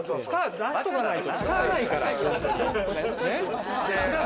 出しとかないと使わないから！